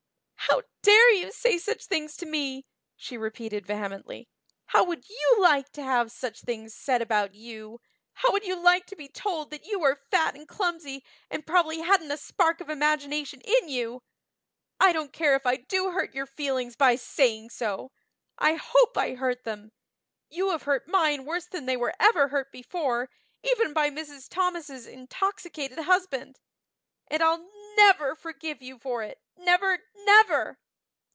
"How dare you say such things about me?" she repeated vehemently. "How would you like to have such things said about you? How would you like to be told that you are fat and clumsy and probably hadn't a spark of imagination in you? I don't care if I do hurt your feelings by saying so! I hope I hurt them. You have hurt mine worse than they were ever hurt before even by Mrs. Thomas' intoxicated husband. And I'll never forgive you for it, never, never!"